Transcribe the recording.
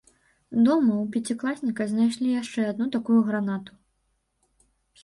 Дома ў пяцікласніка знайшлі яшчэ адну такую гранату.